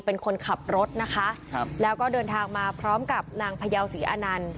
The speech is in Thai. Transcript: เป็นคนขับรถนะคะครับแล้วก็เดินทางมาพร้อมกับนางพยาวศรีอานันต์